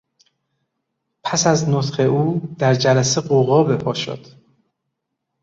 پس از نطق او در جلسه غوغا بهپا شد.